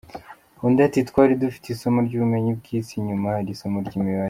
Undi ati “Twari dufite isomo ry’ubumenyi bw’isi nyuma hari isomo ry’imibare.